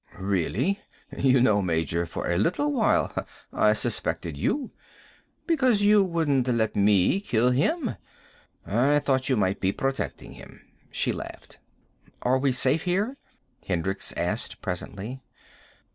"Really? You know, Major, for a little while I suspected you. Because you wouldn't let me kill him. I thought you might be protecting him." She laughed. "Are we safe here?" Hendricks asked presently.